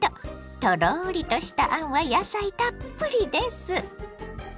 とろりとしたあんは野菜たっぷりです。